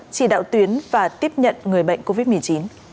chỉ đạo tuyến và tiếp nhận người bệnh covid một mươi chín